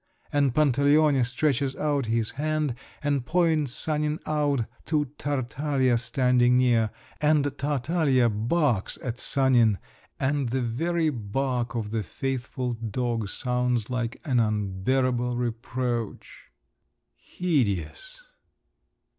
And Pantaleone stretches out his hand and points Sanin out to Tartaglia standing near, and Tartaglia barks at Sanin, and the very bark of the faithful dog sounds like an unbearable reproach…. Hideous!